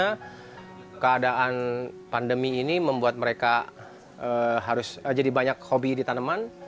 karena keadaan pandemi ini membuat mereka harus jadi banyak hobi di tanaman